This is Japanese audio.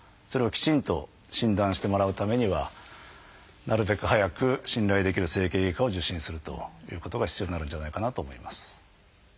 それをきちんと診断してもらうためにはなるべく早く信頼できる整形外科を受診するということが必要になるんじゃないかなと思います。